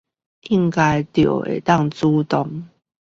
應該就可以自動